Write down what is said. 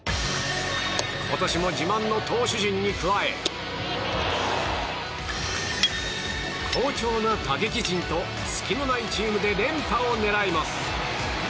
今年も自慢の投手陣に加え好調な打撃陣と隙のないチームで連覇を狙います。